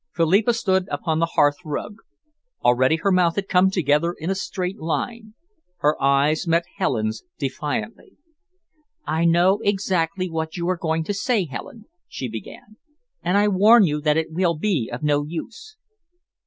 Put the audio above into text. Philippa stood upon the hearth rug. Already her mouth had come together in a straight line. Her eyes met Helen's defiantly. "I know exactly what you are going to say, Helen," she began, "and I warn you that it will be of no use."